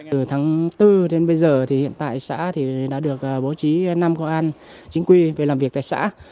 từ tháng bốn đến bây giờ thì hiện tại xã đã được bố trí năm công an chính quy về làm việc tại xã